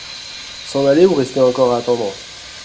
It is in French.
S'en aller ou rester encore à attendre ?